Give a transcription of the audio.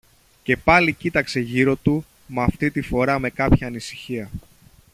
Και πάλι κοίταξε γύρω του, μα αυτή τη φορά με κάποια ανησυχία.